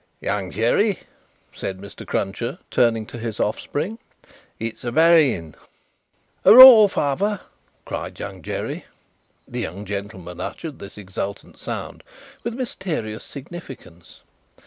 "Young Jerry," said Mr. Cruncher, turning to his offspring, "it's a buryin'." "Hooroar, father!" cried Young Jerry. The young gentleman uttered this exultant sound with mysterious significance.